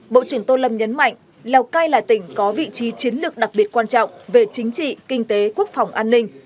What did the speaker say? bộ trưởng tô lâm nhấn mạnh lào cai là tỉnh có vị trí chiến lược đặc biệt quan trọng về chính trị kinh tế quốc phòng an ninh